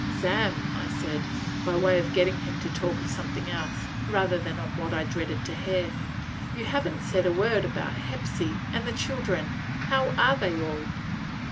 "Sam," said I, by way of getting him to talk of something else, rather than on what I dreaded to hear, "you have n't said a word about Hepsy and the children. How are they all?"